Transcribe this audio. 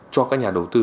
cho các nhà đầu tư